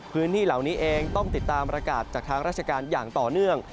พื้นที่เหล่านี้เองต้องติดตามประกาศจากทางราชการอย่างต่อเนื่อง